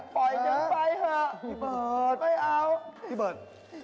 ปล่อยฉันไปเถอะพี่เบิร์ดไม่เอาพี่เบิร์ด